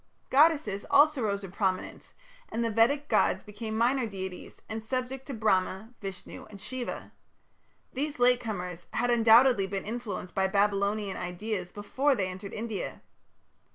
Goddesses also rose into prominence, and the Vedic gods became minor deities, and subject to Brahma, Vishnu, and Shiva. These "late comers" had undoubtedly been influenced by Babylonian ideas before they entered India.